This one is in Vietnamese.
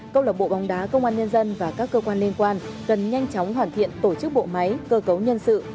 câu lạc bộ bóng đá công an nhân dân và các cơ quan liên quan cần nhanh chóng hoàn thiện tổ chức bộ máy cơ cấu nhân sự